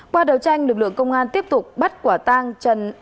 qua đầu tranh lực lượng công an tiếp tục bắt quả tang trần quang vinh